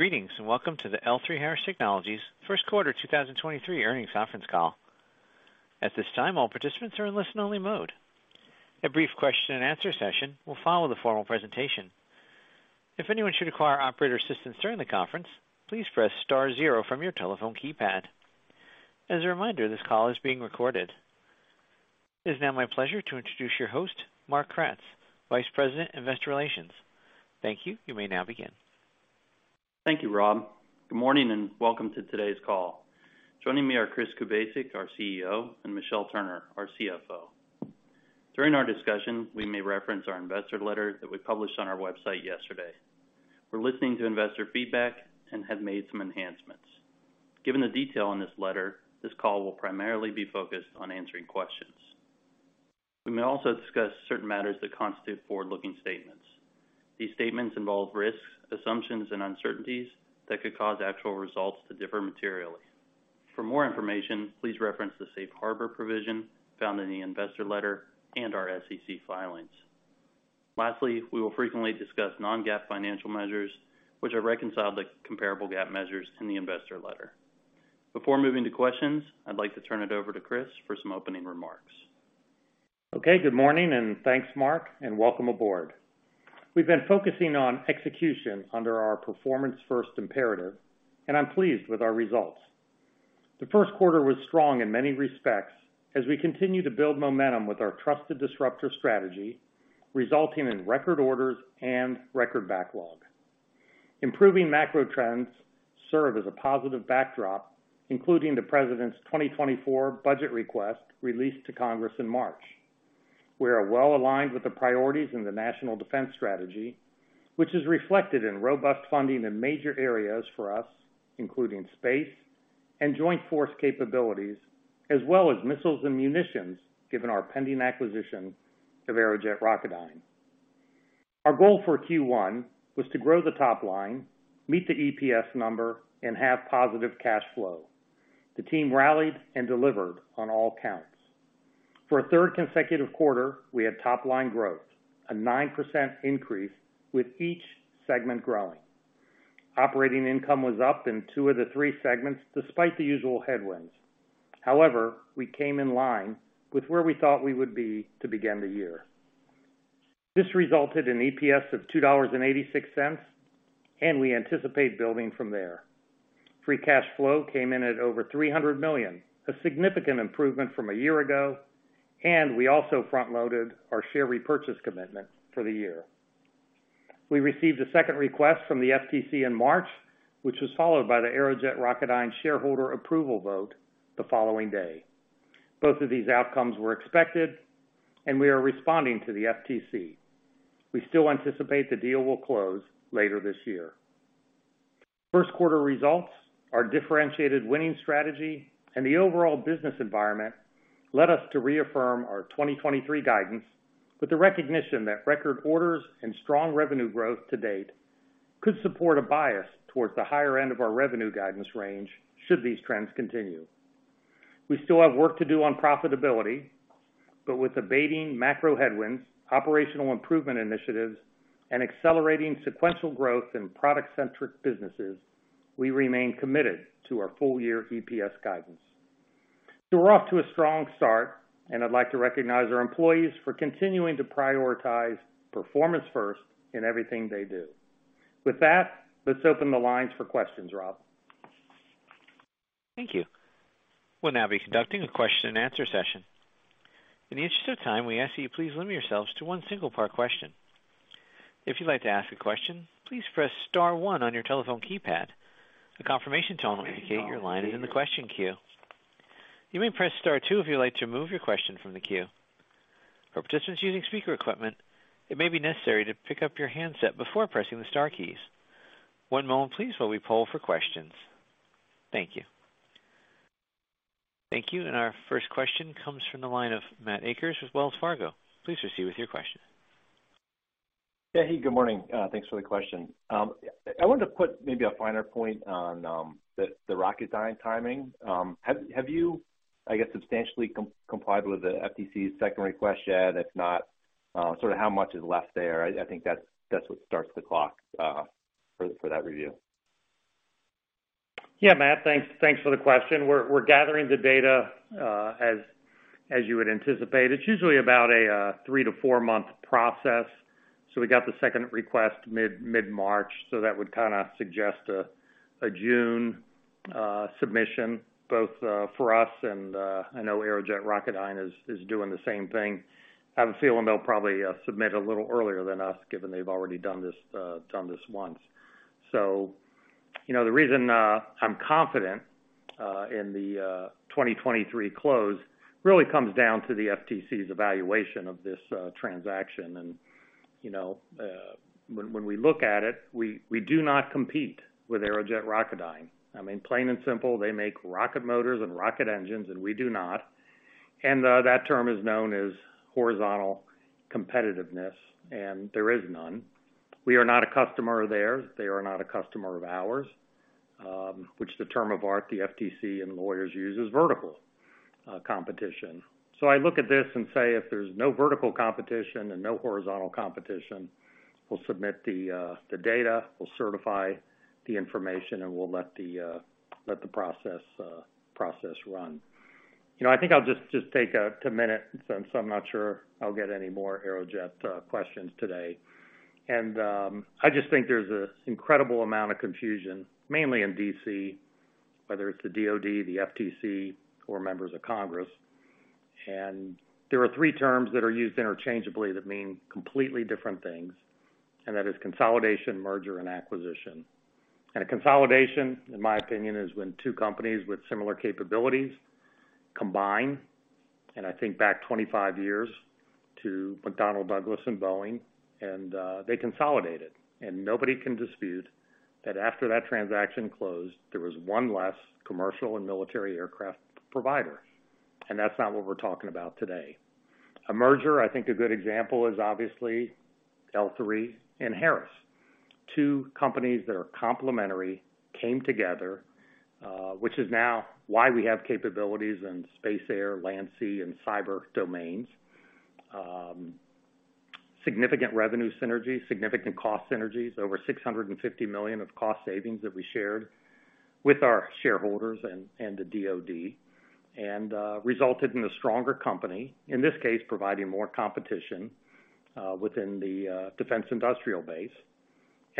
Greetings, welcome to the L3Harris Technologies First Quarter 2023 Earnings Conference Call. At this time, all participants are in listen-only mode. A brief question and answer session will follow the formal presentation. If anyone should require operator assistance during the conference, please press star zero from your telephone keypad. As a reminder, this call is being recorded. It is now my pleasure to introduce your host, Mark Kratz, Vice President, Investor Relations. Thank you. You may now begin. Thank you, Rob. Good morning, and welcome to today's call. Joining me are Chris Kubasik, our CEO, and Michelle Turner, our CFO. During our discussion, we may reference our investor letter that we published on our website yesterday. We're listening to investor feedback and have made some enhancements. Given the detail on this letter, this call will primarily be focused on answering questions. We may also discuss certain matters that constitute forward-looking statements. These statements involve risks, assumptions, and uncertainties that could cause actual results to differ materially. For more information, please reference the safe harbor provision found in the investor letter and our SEC filings. Lastly, we will frequently discuss non-GAAP financial measures, which are reconciled to comparable GAAP measures in the investor letter. Before moving to questions, I'd like to turn it over to Chris for some opening remarks. Okay. Good morning, and thanks, Mark, and welcome aboard. We've been focusing on execution under our Performance First imperative, and I'm pleased with our results. The first quarter was strong in many respects as we continue to build momentum with our trusted disruptor strategy, resulting in record orders and record backlog. Improving macro trends serve as a positive backdrop, including the president's 2024 budget request released to Congress in March. We are well aligned with the priorities in the National Defense Strategy, which is reflected in robust funding in major areas for us, including space and joint force capabilities, as well as missiles and munitions, given our pending acquisition of Aerojet Rocketdyne. Our goal for Q1 was to grow the top line, meet the EPS number, and have positive cash flow. The team rallied and delivered on all counts. For a third consecutive quarter, we had top-line growth, a 9% increase, with each segment growing. Operating income was up in two of the three segments, despite the usual headwinds. However, we came in line with where we thought we would be to begin the year. This resulted in EPS of $2.86, and we anticipate building from there. Free cash flow came in at over $300 million, a significant improvement from a year ago, and we also front-loaded our share repurchase commitment for the year. We received a second request from the FTC in March, which was followed by the Aerojet Rocketdyne shareholder approval vote the following day. Both of these outcomes were expected, and we are responding to the FTC. We still anticipate the deal will close later this year. First quarter results, our differentiated winning strategy, and the overall business environment led us to reaffirm our 2023 guidance with the recognition that record orders and strong revenue growth to date could support a bias towards the higher end of our revenue guidance range should these trends continue. We still have work to do on profitability, with abating macro headwinds, operational improvement initiatives, and accelerating sequential growth in product-centric businesses, we remain committed to our full year EPS guidance. We're off to a strong start, and I'd like to recognize our employees for continuing to prioritize Performance First in everything they do. With that, let's open the lines for questions, Rob. Thank you. We'll now be conducting a question and answer session. In the interest of time, we ask that you please limit yourselves to one single part question. If you'd like to ask a question, please press star one on your telephone keypad. A confirmation tone will indicate your line is in the question queue. You may press star two if you'd like to remove your question from the queue. For participants using speaker equipment, it may be necessary to pick up your handset before pressing the star keys. One moment please while we poll for questions. Thank you. Thank you. Our first question comes from the line of Matt Akers with Wells Fargo. Please proceed with your question. Yeah, hey, good morning. Thanks for the question. I wanted to put maybe a finer point on the Rocketdyne timing. Have you, I guess, substantially complied with the FTC's second request yet? If not, sort of how much is left there? I think that's what starts the clock for that review. Yeah, Matt, thanks. Thanks for the question. We're gathering the data as you would anticipate. It's usually about a 3- to 4-month process. We got the second request mid-March, so that would kinda suggest a June submission both for us and I know Aerojet Rocketdyne is doing the same thing. I have a feeling they'll probably submit a little earlier than us, given they've already done this once. You know, the reason I'm confident in the 2023 close really comes down to the FTC's evaluation of this transaction. You know, when we look at it, we do not compete with Aerojet Rocketdyne. I mean, plain and simple, they make rocket motors and rocket engines, and we do not. That term is known as horizontal competitiveness, and there is none. We are not a customer of theirs. They are not a customer of ours, which the term of art the FTC and lawyers use is vertical competition. I look at this and say, if there's no vertical competition and no horizontal competition, we'll submit the data, we'll certify the information, and we'll let the process run. You know, I think I'll just take a minute since I'm not sure I'll get any more Aerojet questions today. I just think there's an incredible amount of confusion, mainly in D.C., whether it's the DoD, the FTC, or members of Congress. There are three terms that are used interchangeably that mean completely different things, and that is consolidation, merger, and acquisition. A consolidation, in my opinion, is when two companies with similar capabilities combine. I think back 25 years to McDonnell Douglas and Boeing, and they consolidated. Nobody can dispute that after that transaction closed, there was one less commercial and military aircraft provider. That's not what we're talking about today. A merger, I think a good example is obviously L3 and Harris. Two companies that are complementary came together, which is now why we have capabilities in space, air, land, sea, and cyber domains. Significant revenue synergy, significant cost synergies, over $650 million of cost savings that we shared with our shareholders and the DoD. Resulted in a stronger company, in this case, providing more competition within the defense industrial base.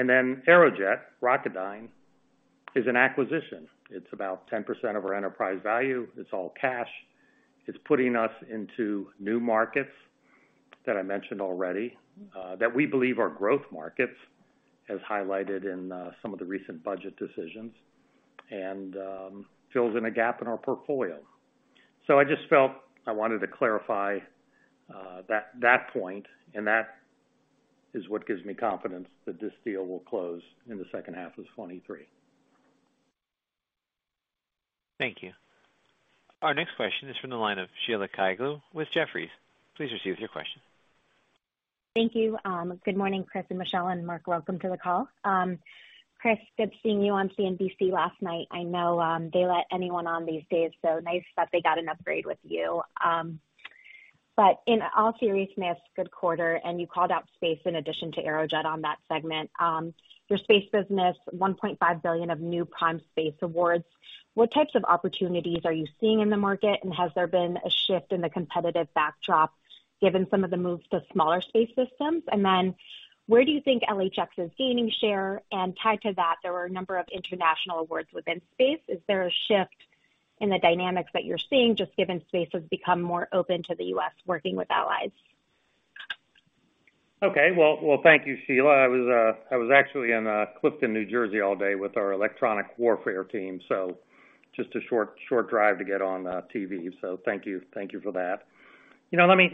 Aerojet Rocketdyne is an acquisition. It's about 10% of our enterprise value. It's all cash. It's putting us into new markets that I mentioned already, that we believe are growth markets, as highlighted in some of the recent budget decisions, and fills in a gap in our portfolio. I just felt I wanted to clarify that point, and that is what gives me confidence that this deal will close in the second half of 2023. Thank you. Our next question is from the line of Sheila Kahyaoglu with Jefferies. Please proceed with your question. Thank you. Good morning, Chris and Michelle and Mark. Welcome to the call. Chris, good seeing you on CNBC last night. I know, they let anyone on these days, so nice that they got an upgrade with you. In all seriousness, good quarter, and you called out space in addition to Aerojet on that segment. Your space business, $1.5 billion of new prime space awards. What types of opportunities are you seeing in the market, and has there been a shift in the competitive backdrop given some of the moves to smaller space systems? Where do you think LHX is gaining share? Tied to that, there were a number of international awards within space. Is there a shift in the dynamics that you're seeing just given space has become more open to the U.S. working with allies? Okay. Well, thank you, Sheila. I was actually in Clifton, New Jersey, all day with our electronic warfare team, just a short drive to get on TV. Thank you, thank you for that. You know, let me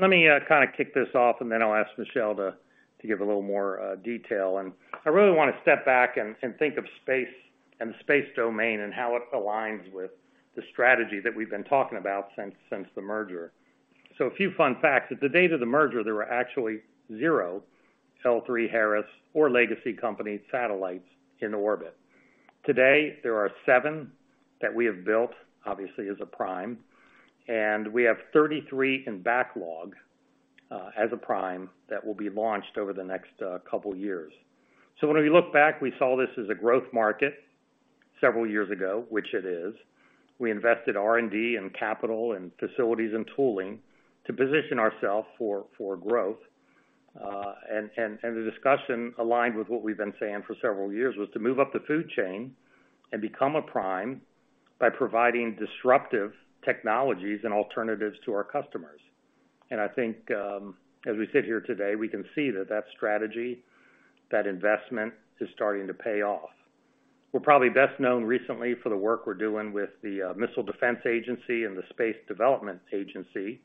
kind of kick this off, and then I'll ask Michelle to give a little more detail. I really wanna step back and think of space and the space domain and how it aligns with the strategy that we've been talking about since the merger. A few fun facts. At the date of the merger, there were actually zero L3Harris or legacy company satellites in orbit. Today, there are 7 that we have built, obviously as a prime, and we have 33 in backlog, as a prime that will be launched over the next, couple years. When we look back, we saw this as a growth market several years ago, which it is. We invested R&D and capital and facilities and tooling to position ourselves for growth. The discussion aligned with what we've been saying for several years, was to move up the food chain and become a prime by providing disruptive technologies and alternatives to our customers. I think, as we sit here today, we can see that that strategy, that investment is starting to pay off. We're probably best known recently for the work we're doing with the Missile Defense Agency and the Space Development Agency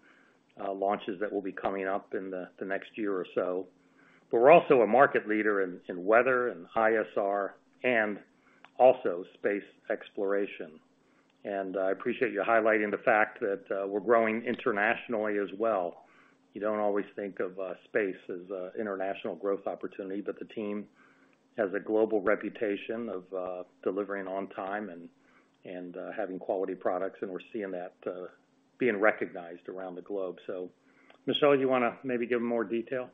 launches that will be coming up in the next year or so. We're also a market leader in weather and ISR and also space exploration. I appreciate you highlighting the fact that we're growing internationally as well. You don't always think of space as a international growth opportunity, but the team has a global reputation of delivering on time and having quality products, and we're seeing that being recognized around the globe. Michelle, do you wanna maybe give more detail?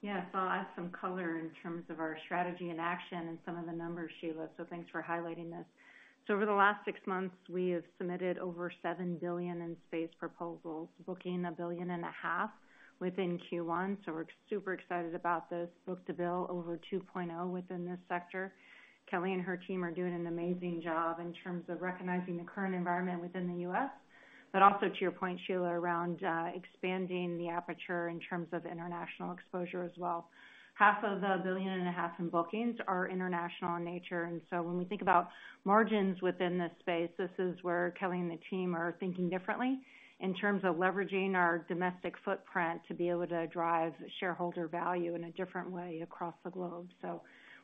Yes. I'll add some color in terms of our strategy and action and some of the numbers, Sheila, so thanks for highlighting this. Over the last six months, we have submitted over $7 billion in space proposals, booking $1.5 billion within Q1, so we're super excited about this book-to-bill over 2.0 within this sector. Kelly and her team are doing an amazing job in terms of recognizing the current environment within the U.S., but also to your point, Sheila, around expanding the aperture in terms of international exposure as well. Half of the billion and a half in bookings are international in nature. When we think about margins within this space, this is where Kelly and the team are thinking differently in terms of leveraging our domestic footprint to be able to drive shareholder value in a different way across the globe.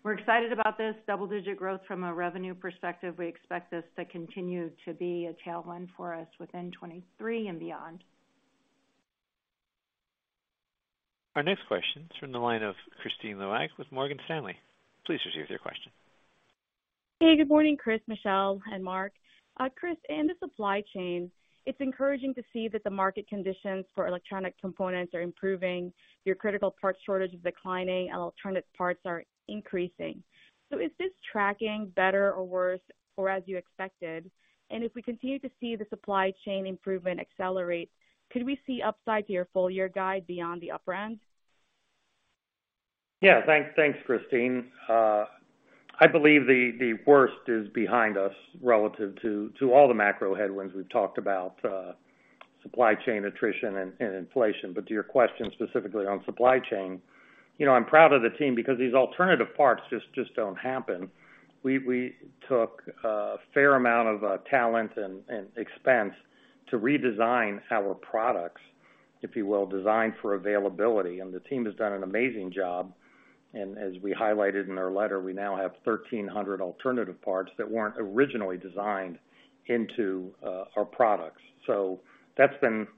We're excited about this double-digit growth from a revenue perspective. We expect this to continue to be a tailwind for us within 2023 and beyond. Our next question is from the line of Kristine Liwag with Morgan Stanley. Please proceed with your question. Hey, good morning, Chris, Michelle, and Mark. Chris, in the supply chain, it's encouraging to see that the market conditions for electronic components are improving, your critical part shortage is declining, and alternative parts are increasing. Is this tracking better or worse or as you expected? If we continue to see the supply chain improvement accelerate, could we see upside to your full year guide beyond the upper end? Yeah. Thanks, Christine. I believe the worst is behind us relative to all the macro headwinds we've talked about, supply chain attrition and inflation. To your question specifically on supply chain, you know, I'm proud of the team because these alternative parts just don't happen. We took a fair amount of talent and expense to redesign our products, if you will, design for availability, and the team has done an amazing job. As we highlighted in our letter, we now have 1,300 alternative parts that weren't originally designed into our products. That's been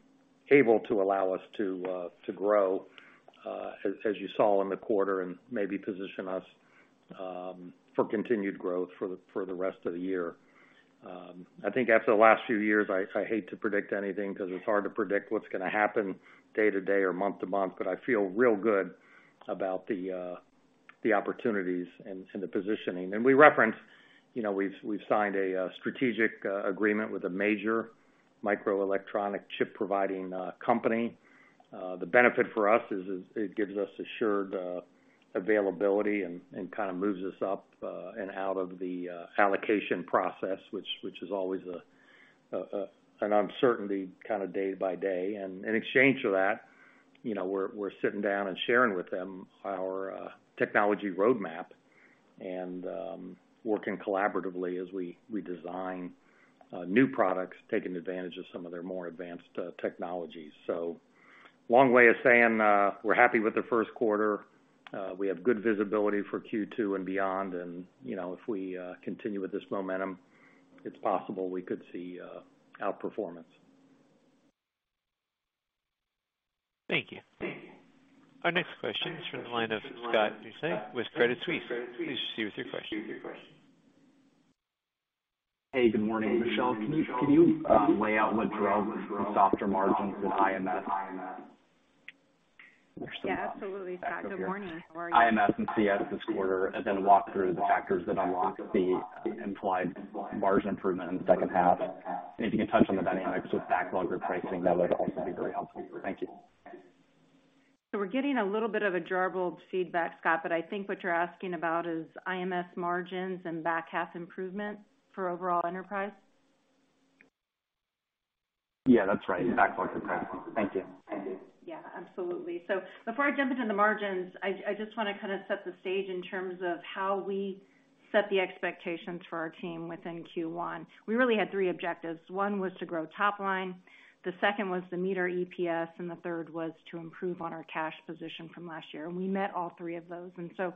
able to allow us to grow as you saw in the quarter and maybe position us for continued growth for the rest of the year. I think after the last few years, I hate to predict anything 'cause it's hard to predict what's gonna happen day to day or month to month, but I feel real good about the opportunities and the positioning. We referenced, you know, we've signed a strategic agreement with a major microelectronic chip providing company. The benefit for us is it gives us assured availability and kind of moves us up and out of the allocation process which is always an uncertainty kinda day by day. In exchange for that, you know, we're sitting down and sharing with them our technology roadmap and working collaboratively as we design new products, taking advantage of some of their more advanced technologies. Long way of saying, we're happy with the first quarter. We have good visibility for Q2 and beyond. You know, if we continue with this momentum, it's possible we could see outperformance. Thank you. Our next question is from the line of Scott Deuschle with Credit Suisse. Please proceed with your question. Hey, good morning, Michelle. Can you lay out what drove the softer margins with IMS? Yeah, absolutely, Scott. Good morning. How are you? IMS and CS this quarter, and then walk through the factors that unlock the implied margin improvement in the second half. If you can touch on the dynamics with backlog repricing, that would also be very helpful. Thank you. We're getting a little bit of a garbled feedback, Scott, but I think what you're asking about is IMS margins and back half improvements for overall enterprise. Yeah, that's right. Backlog repricing. Thank you. Absolutely. Before I jump into the margins, I just wanna set the stage in terms of how we set the expectations for our team within Q1. We really had 3 objectives. One was to grow top line, the second was to meet our EPS, and the third was to improve on our cash position from last year. We met all 3 of those. To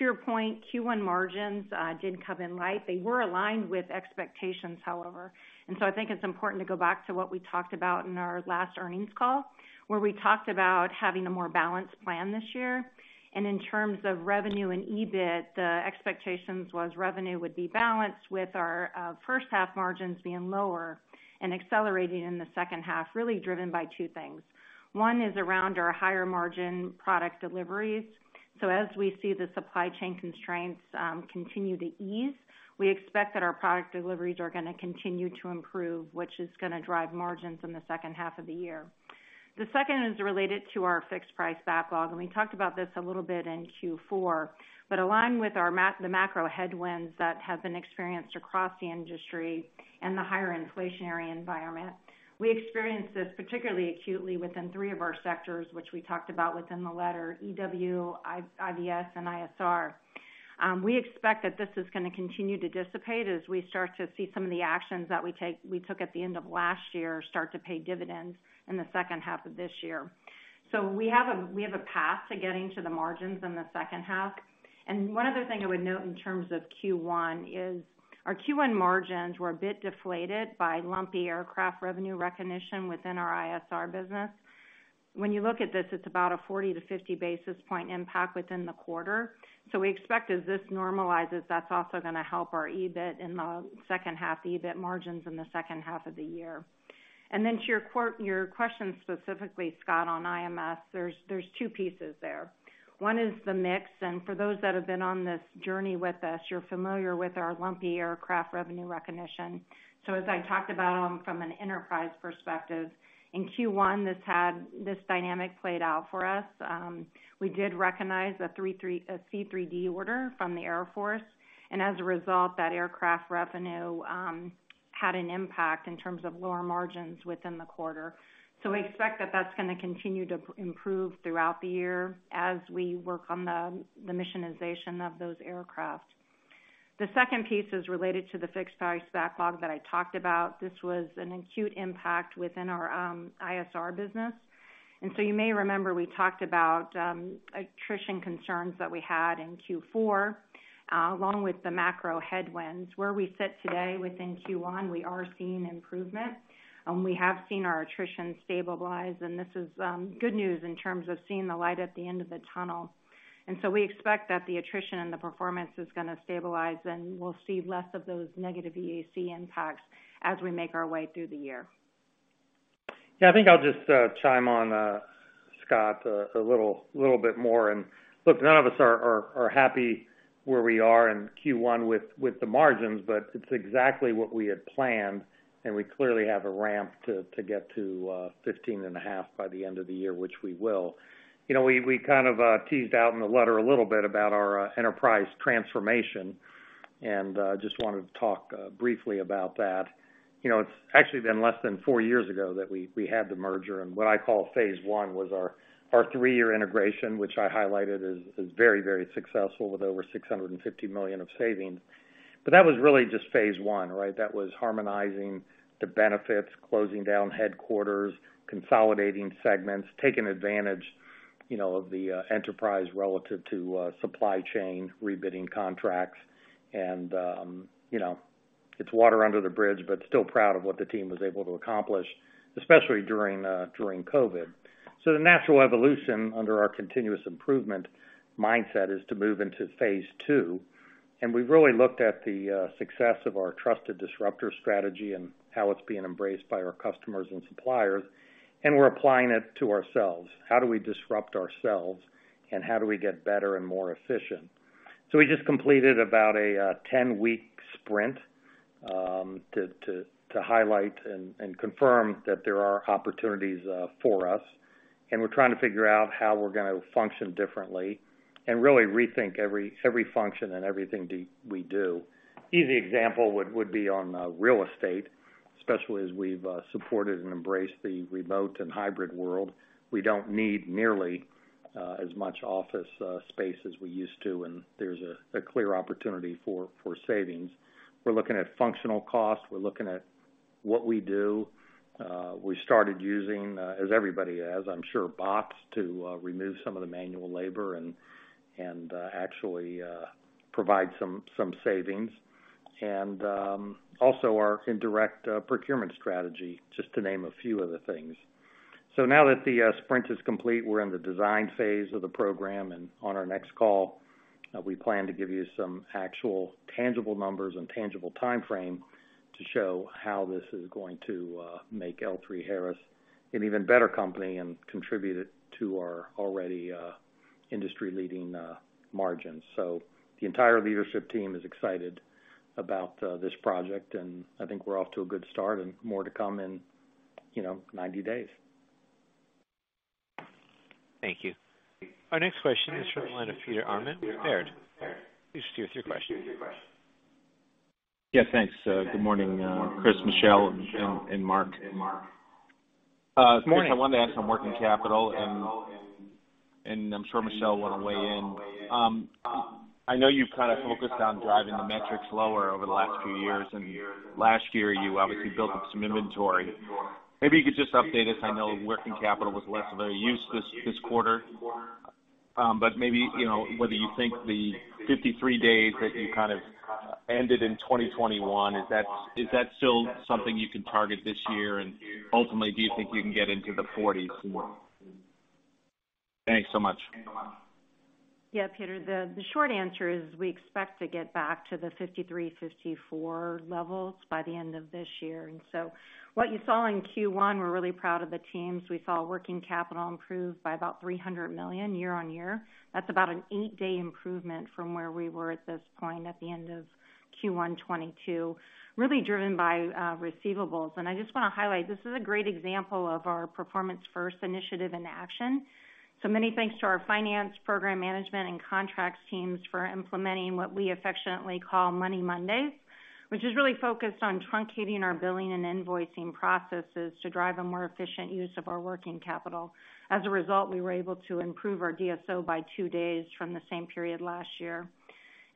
your point, Q1 margins did come in light. They were aligned with expectations, however. I think it's important to go back to what we talked about in our last earnings call, where we talked about having a more balanced plan this year. In terms of revenue and EBIT, the expectations was revenue would be balanced with our first half margins being lower and accelerating in the second half, really driven by 2 things. One is around our higher margin product deliveries. As we see the supply chain constraints continue to ease, we expect that our product deliveries are gonna continue to improve, which is gonna drive margins in the second half of the year. The second is related to our fixed price backlog, and we talked about this a little bit in Q4. Aligned with our the macro headwinds that have been experienced across the industry and the higher inflationary environment, we experienced this particularly acutely within 3 of our sectors, which we talked about within the letter EW, IVS and ISR. We expect that this is gonna continue to dissipate as we start to see some of the actions that we took at the end of last year start to pay dividends in the second half of this year. We have a path to getting to the margins in the second half. One other thing I would note in terms of Q1 is our Q1 margins were a bit deflated by lumpy aircraft revenue recognition within our ISR business. When you look at this, it's about a 40-50 basis point impact within the quarter. We expect as this normalizes, that's also going to help our EBIT in the second half, EBIT margins in the second half of the year. To your question specifically, Scott, on IMS, there's two pieces there. One is the mix, and for those that have been on this journey with us, you're familiar with our lumpy aircraft revenue recognition. As I talked about, from an enterprise perspective, in Q1, this had this dynamic played out for us. We did recognize a C3D order from the Air Force. As a result, that aircraft revenue had an impact in terms of lower margins within the quarter. We expect that that's gonna continue to improve throughout the year as we work on the missionization of those aircraft. The second piece is related to the fixed price backlog that I talked about. This was an acute impact within our ISR business. You may remember we talked about attrition concerns that we had in Q4 along with the macro headwinds. Where we sit today within Q1, we are seeing improvement, we have seen our attrition stabilize, and this is good news in terms of seeing the light at the end of the tunnel. We expect that the attrition and the performance is gonna stabilize, and we'll see less of those negative EAC impacts as we make our way through the year. Yeah, I think I'll just chime on Scott a little bit more. Look, none of us are happy where we are in Q1 with the margins, it's exactly what we had planned, we clearly have a ramp to get to 15.5% by the end of the year, which we will. You know, we kind of teased out in the letter a little bit about our enterprise transformation, just wanted to talk briefly about that. You know, it's actually been less than 4 years ago that we had the merger. What I call phase 1 was our 3-year integration, which I highlighted as very, very successful with over $650 million of savings. That was really just phase 1, right? That was harmonizing the benefits, closing down headquarters, consolidating segments, taking advantage, you know, of the enterprise relative to supply chain, rebidding contracts, and, you know, it's water under the bridge, but still proud of what the team was able to accomplish, especially during COVID. The natural evolution under our continuous improvement mindset is to move into phase 2. We've really looked at the success of our Trusted Disruptor Strategy and how it's being embraced by our customers and suppliers, and we're applying it to ourselves. How do we disrupt ourselves, and how do we get better and more efficient? We just completed about a 10-week sprint to highlight and confirm that there are opportunities for us. We're trying to figure out how we're gonna function differently and really rethink every function and everything we do. Easy example would be on real estate, especially as we've supported and embraced the remote and hybrid world. We don't need nearly as much office space as we used to, and there's a clear opportunity for savings. We're looking at functional costs. We're looking at what we do. We started using, as everybody has, I'm sure, bots to remove some of the manual labor and actually provide some savings. Also our indirect procurement strategy, just to name a few of the things. Now that the sprint is complete, we're in the design phase of the program, and on our next call, we plan to give you some actual tangible numbers and tangible timeframe to show how this is going to make L3Harris an even better company and contribute it to our already industry-leading margins. The entire leadership team is excited about this project, and I think we're off to a good start and more to come in, you know, 90 days. Thank you. Our next question is from the line of Peter Arment with Baird. Please proceed with your question. Yeah, thanks. Good morning, Chris, Michelle, and Mark. This morning I wanted to ask on working capital, I'm sure Michelle would wanna weigh in. I know you've kind of focused on driving the metrics lower over the last few years, and last year, you obviously built up some inventory. Maybe you could just update us. I know working capital was less of a use this quarter. Maybe, you know, whether you think the 53 days that you kind of ended in 2021, is that still something you can target this year? Ultimately, do you think we can get into the 40s more? Thanks so much. Peter, the short answer is we expect to get back to the 53, 54 levels by the end of this year. What you saw in Q1, we're really proud of the teams. We saw working capital improve by about $300 million year-on-year. That's about an 8-day improvement from where we were at this point at the end of Q1 2022, really driven by receivables. I just wanna highlight, this is a great example of our Performance First initiative in action. Many thanks to our finance, program management, and contracts teams for implementing what we affectionately call Money Mondays, which is really focused on truncating our billing and invoicing processes to drive a more efficient use of our working capital. As a result, we were able to improve our DSO by 2 days from the same period last year.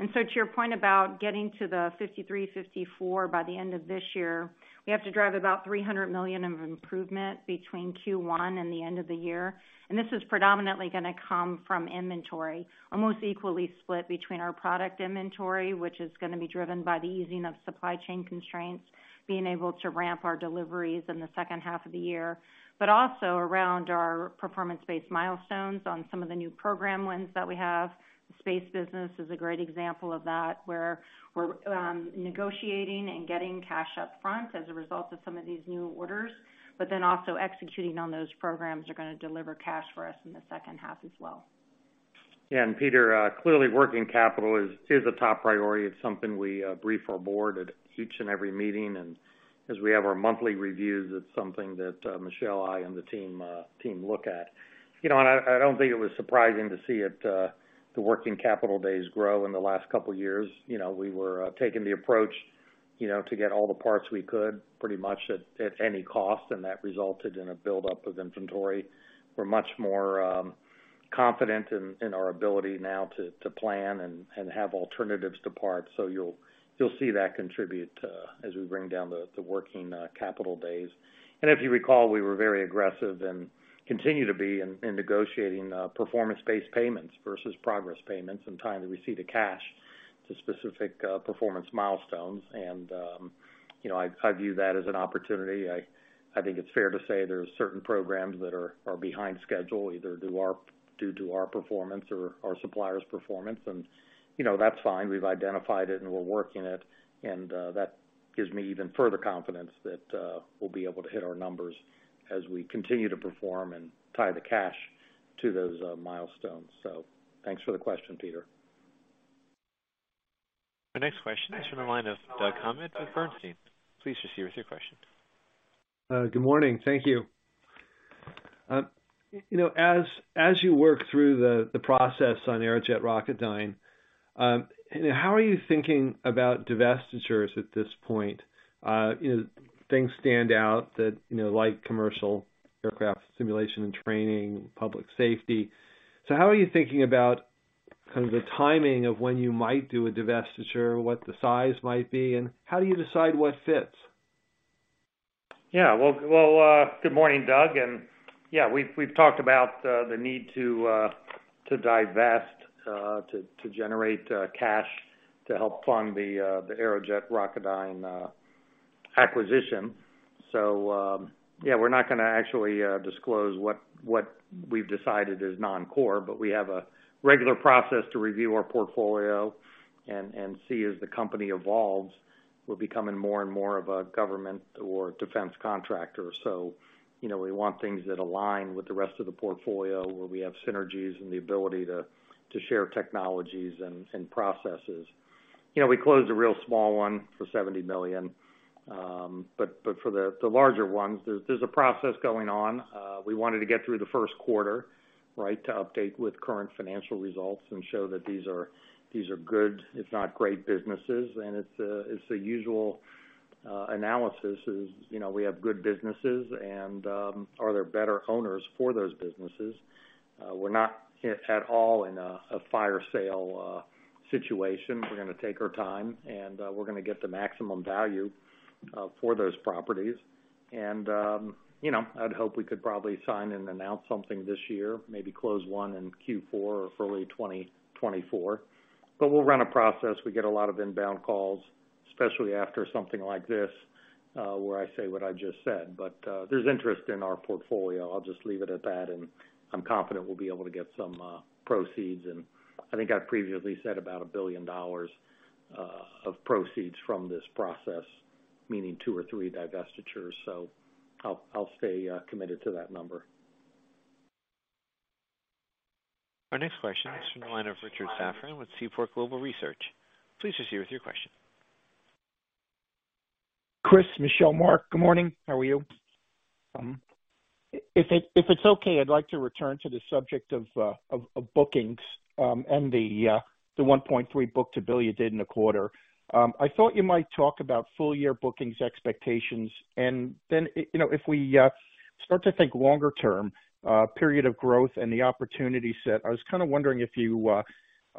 To your point about getting to the 53, 54 by the end of this year, we have to drive about $300 million of improvement between Q1 and the end of the year. This is predominantly gonna come from inventory, almost equally split between our product inventory, which is gonna be driven by the easing of supply chain constraints, being able to ramp our deliveries in the second half of the year. Also around our performance-based milestones on some of the new program wins that we have. The space business is a great example of that, where we're negotiating and getting cash up front as a result of some of these new orders, also executing on those programs are gonna deliver cash for us in the second half as well. Yeah. Peter, clearly working capital is a top priority. It's something we brief our board at each and every meeting. As we have our monthly reviews, it's something that Michelle, I, and the team look at. You know, and I don't think it was surprising to see it, the working capital days grow in the last couple years. You know, we were taking the approach, you know, to get all the parts we could pretty much at any cost, and that resulted in a buildup of inventory. We're much more confident in our ability now to plan and have alternatives to parts. You'll see that contribute as we bring down the working capital days. If you recall, we were very aggressive and continue to be in negotiating performance-based payments versus progress payments and tying the receipt of cash to specific performance milestones. You know, I view that as an opportunity. I think it's fair to say there's certain programs that are behind schedule, either due to our performance or our suppliers' performance. You know, that's fine. We've identified it and we're working it. That gives me even further confidence that we'll be able to hit our numbers as we continue to perform and tie the cash to those milestones. Thanks for the question, Peter. The next question is from the line of Doug Harned with Bernstein. Please proceed with your question. Good morning. Thank you. You know, as you work through the process on Aerojet Rocketdyne, you know, how are you thinking about divestitures at this point? You know, things stand out that, you know, like commercial aircraft simulation and training, public safety. How are you thinking about kind of the timing of when you might do a divestiture, what the size might be, and how do you decide what fits? Well, good morning, Doug. We've talked about the need to divest to generate cash to help fund the Aerojet Rocketdyne acquisition. We're not gonna actually disclose what we've decided is non-core, but we have a regular process to review our portfolio and see as the company evolves, we're becoming more and more of a government or defense contractor. You know, we want things that align with the rest of the portfolio, where we have synergies and the ability to share technologies and processes. You know, we closed a real small one for $70 million. But for the larger ones, there's a process going on. We wanted to get through the first quarter, right, to update with current financial results and show that these are good, if not great businesses. It's, it's a usual analysis is, you know, we have good businesses and are there better owners for those businesses. We're not at all in a fire sale situation. We're gonna take our time, we're gonna get the maximum value for those properties. You know, I'd hope we could probably sign and announce something this year, maybe close one in Q4 or early 2024. We'll run a process. We get a lot of inbound calls, especially after something like this, where I say what I just said. There's interest in our portfolio. I'll just leave it at that. I'm confident we'll be able to get some proceeds. I think I previously said about $1 billion of proceeds from this process, meaning 2 or 3 divestitures. I'll stay committed to that number. Our next question is from the line of Richard Safran with Seaport Global Research. Please proceed with your question. Chris, Michelle, Mark, good morning. How are you? If it's okay, I'd like to return to the subject of bookings, and the 1.3 book-to-bill you did in the quarter. I thought you might talk about full year bookings expectations, and then, you know, if we start to think longer term, period of growth and the opportunity set, I was kind of wondering if you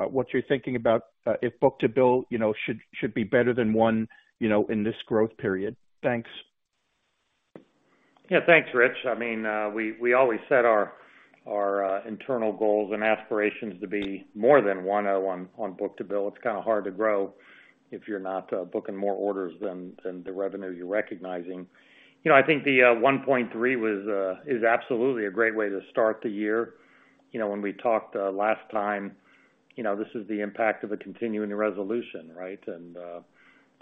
what you're thinking about, if book-to-bill, you know, should be better than 1.0, you know, in this growth period. Thanks. Yeah. Thanks, Rich. I mean, we always set our internal goals and aspirations to be more than 1.0 on book-to-bill. It's kind of hard to grow if you're not booking more orders than the revenue you're recognizing. You know, I think the 1.3 was absolutely a great way to start the year. You know, when we talked last time, you know, this is the impact of a continuing resolution, right?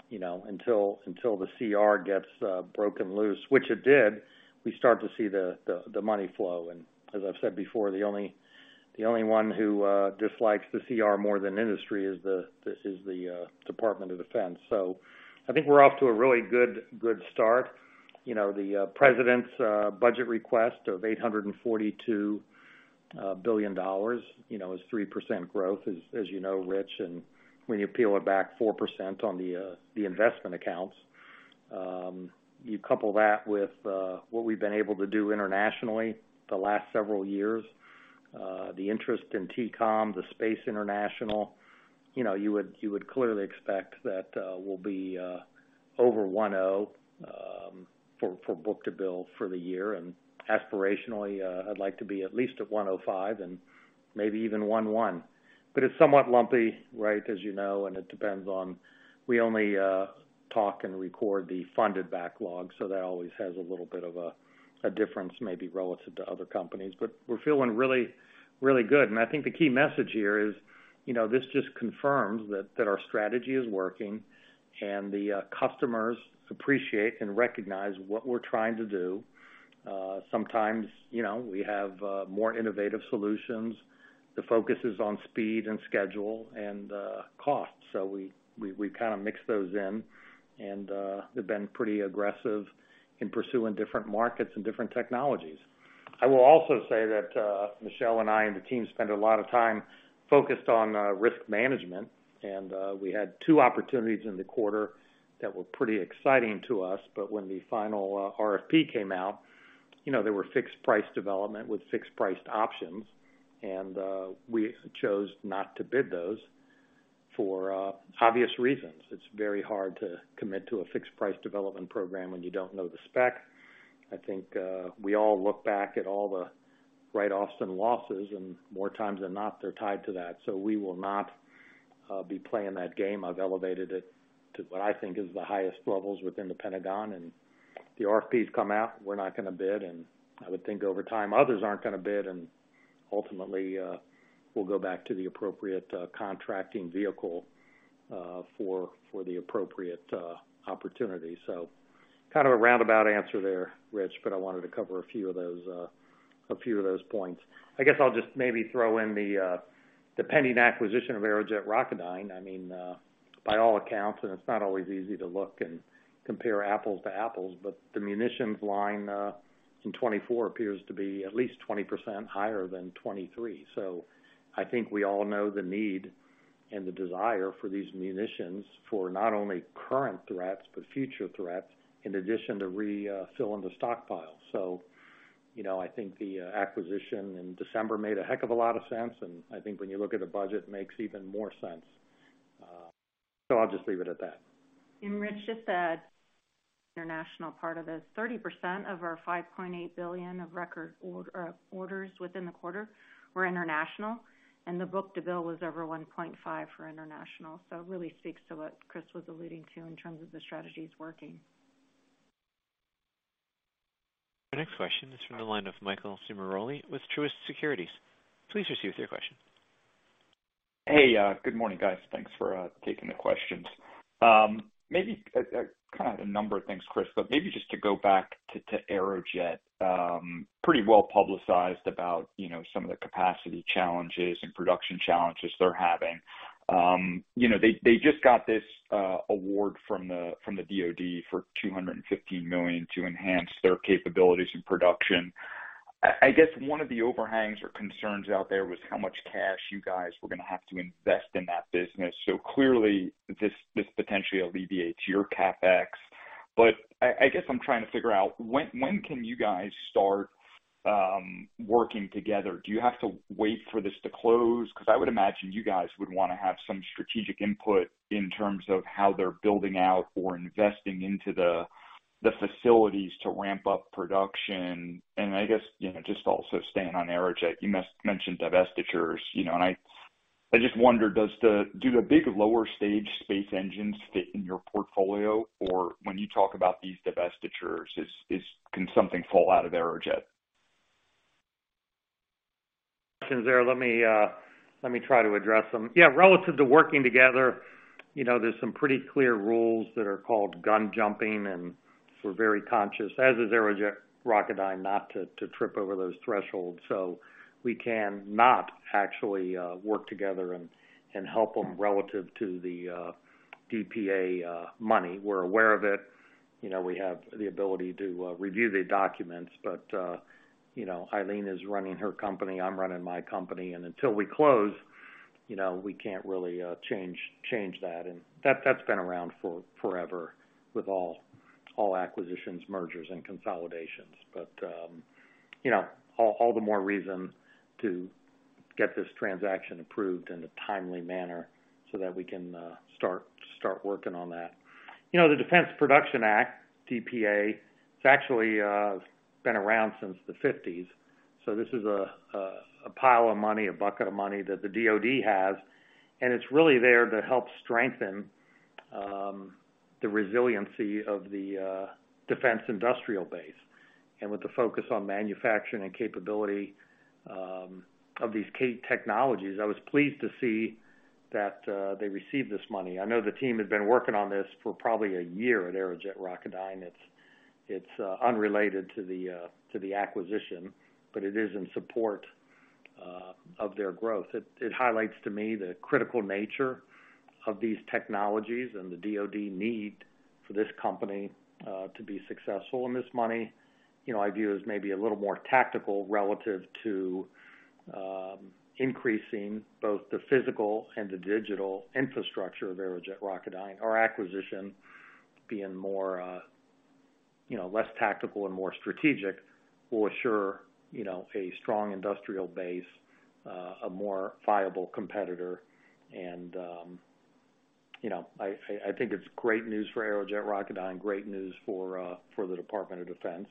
You know, until the CR gets broken loose, which it did, we start to see the money flow. As I've said before, the only one who dislikes the CR more than industry is this is the Department of Defense. I think we're off to a really good start. You know, the president's budget request of $842 billion, you know, is 3% growth, as you know, Rich. When you peel it back 4% on the investment accounts, you couple that with what we've been able to do internationally the last several years, the interest in TACOM, the Space International, you know, you would clearly expect that we'll be over 1.0 for book-to-bill for the year. Aspirationally, I'd like to be at least at 1.05 and maybe even 1.1. It's somewhat lumpy, right, as you know, and it depends on, we only talk and record the funded backlog, so that always has a little bit of a difference maybe relative to other companies. We're feeling really good. I think the key message here is, you know, this just confirms that our strategy is working and the customers appreciate and recognize what we're trying to do. Sometimes, you know, we have more innovative solutions. The focus is on speed and schedule and cost. We've kind of mixed those in, and they've been pretty aggressive in pursuing different markets and different technologies. I will also say that Michelle and I and the team spend a lot of time focused on risk management, and we had two opportunities in the quarter that were pretty exciting to us. When the final RFP came out, you know, there were fixed price development with fixed priced options, and we chose not to bid those for obvious reasons. It's very hard to commit to a fixed price development program when you don't know the spec. I think, we all look back at all the write-offs and losses, and more times than not, they're tied to that. We will not be playing that game. I've elevated it to what I think is the highest levels within the Pentagon, and the RFPs come out, we're not gonna bid. I would think over time, others aren't gonna bid, and ultimately, we'll go back to the appropriate contracting vehicle for the appropriate opportunity. Kind of a roundabout answer there, Rich, but I wanted to cover a few of those, a few of those points. I guess I'll just maybe throw in the pending acquisition of Aerojet Rocketdyne. I mean, by all accounts, and it's not always easy to look and compare apples to apples, but the munitions line in 2024 appears to be at least 20% higher than 2023. I think we all know the need and the desire for these munitions for not only current threats, but future threats, in addition to refill in the stockpile. You know, I think the acquisition in December made a heck of a lot of sense, and I think when you look at a budget, makes even more sense. I'll just leave it at that. Rich, just to add the international part of this. 30% of our $5.8 billion of record orders within the quarter were international, and the book-to-bill was over 1.5 for international. It really speaks to what Chris was alluding to in terms of the strategies working. Our next question is from the line of Michael Ciarmoli with Truist Securities. Please proceed with your question. Hey, good morning, guys. Thanks for taking the questions. Maybe kind of a number of things, Chris, but maybe just to go back to Aerojet, pretty well-publicized about, you know, some of the capacity challenges and production challenges they're having. You know, they just got this award from the DoD for $250 million to enhance their capabilities in production. I guess one of the overhangs or concerns out there was how much cash you guys were gonna have to invest in that business. Clearly this potentially alleviates your CapEx. I guess I'm trying to figure out when can you guys start working together? Do you have to wait for this to close? 'Cause I would imagine you guys would wanna have some strategic input in terms of how they're building out or investing into the facilities to ramp up production. I guess, you know, just also staying on Aerojet, you mentioned divestitures, you know, and I just wonder, do the big lower stage space engines fit in your portfolio? Or when you talk about these divestitures, is, can something fall out of Aerojet? Questions there. Let me try to address them. Yeah, relative to working together, you know, there's some pretty clear rules that are called gun jumping, and we're very conscious, as is Aerojet Rocketdyne, not to trip over those thresholds. We can not actually work together and help them relative to the DPA money. We're aware of it. You know, we have the ability to review the documents, but you know, Eileen is running her company, I'm running my company, and until we close, you know, we can't really change that. That's been around for forever with all acquisitions, mergers, and consolidations. You know, all the more reason to get this transaction approved in a timely manner so that we can start working on that. You know, the Defense Production Act, DPA, it's actually been around since the 50s. This is a pile of money, a bucket of money that the DoD has, and it's really there to help strengthen the resiliency of the defense industrial base. With the focus on manufacturing and capability of these key technologies, I was pleased to see that they received this money. I know the team had been working on this for probably a year at Aerojet Rocketdyne. It's unrelated to the to the acquisition, but it is in support of their growth. It highlights to me the critical nature of these technologies and the DoD need for this company to be successful. This money, you know, I view as maybe a little more tactical relative to increasing both the physical and the digital infrastructure of Aerojet Rocketdyne. Our acquisition being more, you know, less tactical and more strategic will assure, you know, a strong industrial base, a more viable competitor. you know, I, I think it's great news for Aerojet Rocketdyne, great news for the Department of Defense.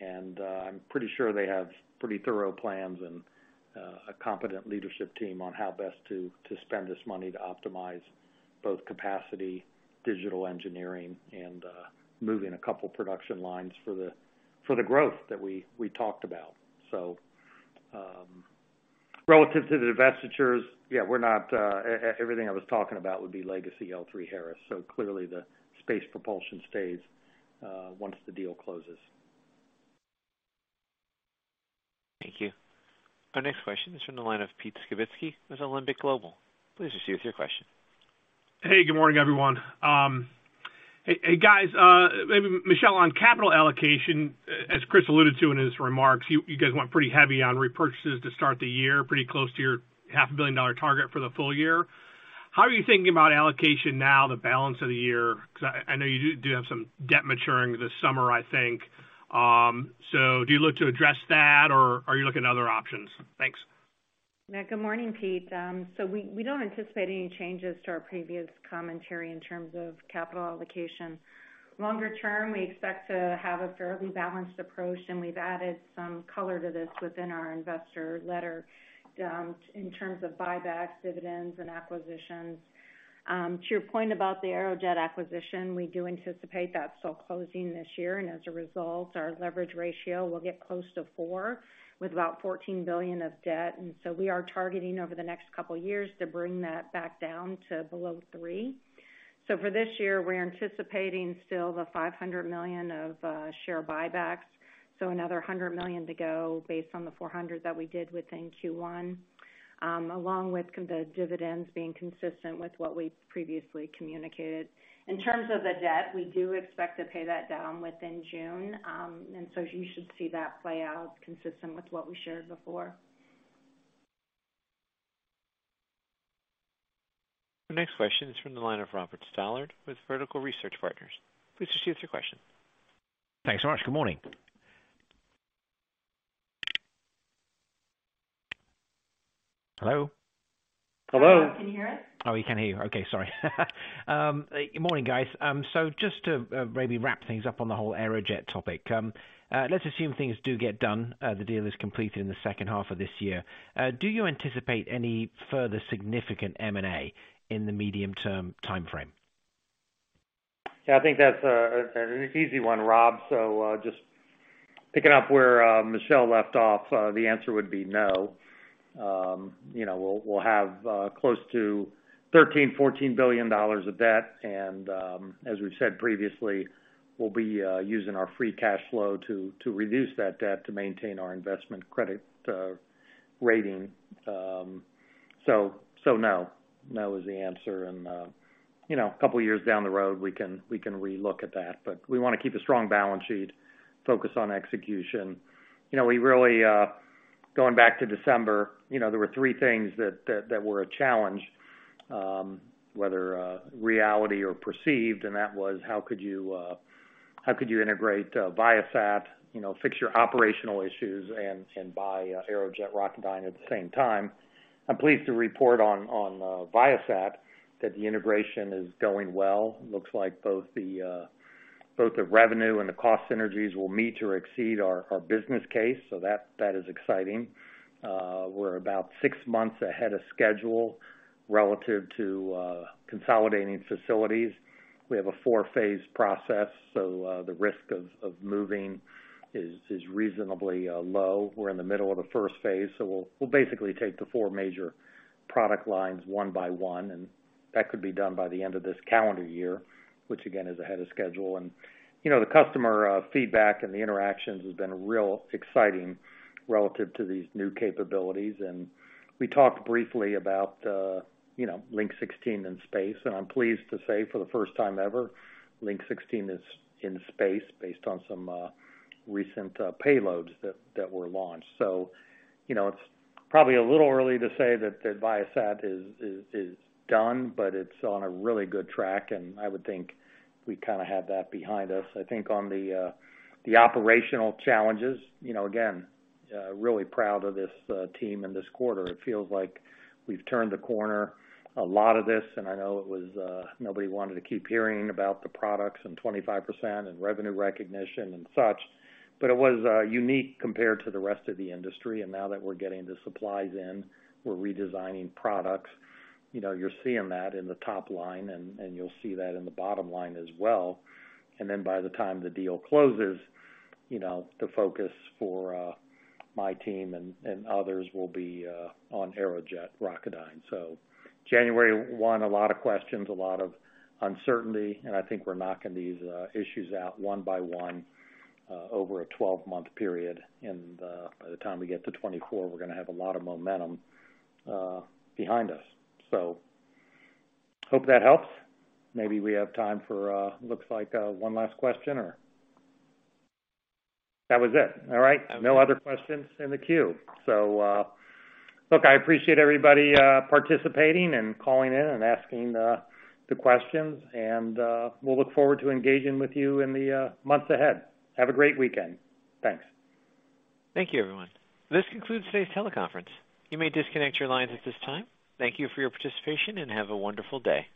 I'm pretty sure they have pretty thorough plans and a competent leadership team on how best to spend this money to optimize both capacity, digital engineering, and moving a couple production lines for the growth that we talked about. relative to the divestitures, yeah, we're not, everything I was talking about would be legacy L3Harris. Clearly the space propulsion stays once the deal closes. Thank you. Our next question is from the line of Pete Skibitski with Alembic Global. Please proceed with your question. Hey, good morning, everyone. Hey, hey, guys, maybe Michelle, on capital allocation, as Chris alluded to in his remarks, you guys went pretty heavy on repurchases to start the year, pretty close to your half a billion dollar target for the full year. How are you thinking about allocation now the balance of the year? 'Cause I know you do have some debt maturing this summer, I think. Do you look to address that, or are you looking at other options? Thanks. Good morning, Pete. We don't anticipate any changes to our previous commentary in terms of capital allocation. Longer term, we expect to have a fairly balanced approach. We've added some color to this within our investor letter in terms of buybacks, dividends, and acquisitions. To your point about the Aerojet acquisition, we do anticipate that still closing this year. As a result, our leverage ratio will get close to 4, with about $14 billion of debt. We are targeting over the next couple years to bring that back down to below 3. For this year, we're anticipating still the $500 million of share buybacks. Another $100 million to go based on the $400 million that we did within Q1. Along with the dividends being consistent with what we previously communicated. In terms of the debt, we do expect to pay that down within June. You should see that play out consistent with what we shared before. The next question is from the line of Robert Stallard with Vertical Research Partners. Please proceed with your question. Thanks so much. Good morning. Hello? Hello. Can you hear us? We can hear you. Okay, sorry. Good morning, guys. Just to, maybe wrap things up on the whole Aerojet topic. Let's assume things do get done, the deal is completed in the second half of this year. Do you anticipate any further significant M&A in the medium-term timeframe? Yeah, I think that's an easy one, Rob. Just picking up where Michelle left off, the answer would be no. You know, we'll have close to $13 billion-$14 billion of debt and, as we've said previously, we'll be using our free cash flow to reduce that debt to maintain our investment credit rating. No. No is the answer and, you know, a couple of years down the road, we can re-look at that. We wanna keep a strong balance sheet, focus on execution. You know, we really, going back to December, you know, there were three things that were a challenge, whether reality or perceived. That was how could you integrate Viasat, you know, fix your operational issues and buy Aerojet Rocketdyne at the same time. I'm pleased to report on Viasat that the integration is going well. Looks like both the revenue and the cost synergies will meet or exceed our business case. That is exciting. We're about six months ahead of schedule relative to consolidating facilities. We have a four-phase process. The risk of moving is reasonably low. We're in the middle of the first phase, so we'll basically take the four major product lines one by one, and that could be done by the end of this calendar year, which again, is ahead of schedule. you know, the customer feedback and the interactions has been real exciting relative to these new capabilities. we talked briefly about, you know, Link 16 in space. I'm pleased to say for the first time ever, Link 16 is in space based on some recent payloads that were launched. you know, it's probably a little early to say that the Viasat is done, but it's on a really good track, and I would think we kinda have that behind us. I think on the operational challenges, you know, again, really proud of this team in this quarter. It feels like we've turned the corner. A lot of this, and I know it was, nobody wanted to keep hearing about the products and 25% and revenue recognition and such, but it was unique compared to the rest of the industry. Now that we're getting the supplies in, we're redesigning products, you know, you're seeing that in the top line and you'll see that in the bottom line as well. Then by the time the deal closes, you know, the focus for my team and others will be on Aerojet Rocketdyne. January 1, a lot of questions, a lot of uncertainty, and I think we're knocking these issues out one by one over a 12-month period. By the time we get to 2024, we're gonna have a lot of momentum behind us. Hope that helps. Maybe we have time for, looks like, one last question or. That was it. All right. No other questions in the queue. Look, I appreciate everybody participating and calling in and asking the questions, and we'll look forward to engaging with you in the months ahead. Have a great weekend. Thanks. Thank you, everyone. This concludes today's teleconference. You may disconnect your lines at this time. Thank you for your participation, and have a wonderful day.